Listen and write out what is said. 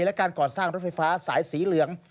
และการก่อสร้างรถไฟฟ้าสายสีเหลือง